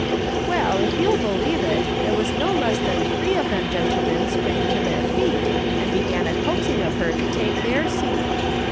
" Well, if you'll believe it, there was no less than three of them gentlemen sprang to their feet, and began a coaxing of her to take their seat.